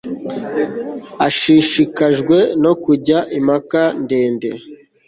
Ashishikajwe no kujya impaka ndende